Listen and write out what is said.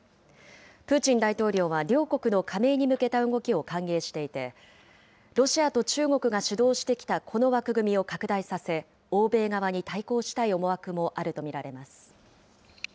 プーチン大統領は両国の加盟に向けた動きを歓迎していて、ロシアと中国が主導してきたこの枠組みを拡大させ、欧米側に対抗したい思惑もあると見られます。